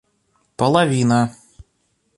половина